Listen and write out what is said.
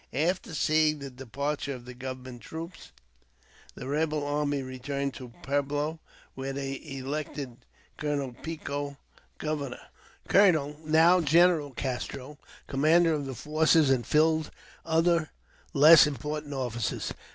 After seeing the departure of the government troops, the rebel party returned to Pueblo, where they elected Colonel Pico governor ; Colonel, now General Castro, commander of the forces ; and filled other less important offices.